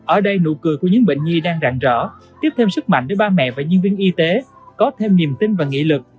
ở đây nụ cười của những bệnh nhi đang rạn rỡ tiếp thêm sức mạnh để ba mẹ và nhân viên y tế có thêm niềm tin và nghị lực